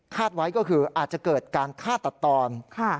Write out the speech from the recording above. ไว้ก็คืออาจจะเกิดการฆ่าตัดตอน